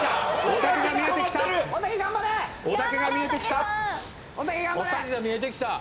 おたけが見えてきた。